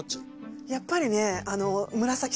やっぱりね。